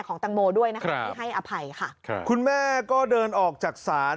ตังโมด้วยนะคะที่ให้อภัยค่ะค่ะคุณแม่ก็เดินออกจากศาล